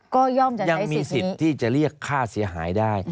ก็ย่อมจะใช้สิทธิ์นี้ยังมีสิทธิ์ที่จะเรียกค่าเสียหายได้